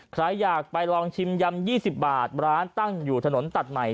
ใครอยากไปลองชิมยำ๒๐บาทร้านตั้งอยู่ถนนตัดใหม่